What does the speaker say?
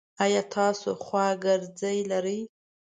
ایا تاسو خواګرځی لری؟